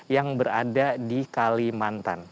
yang berada di kalimantan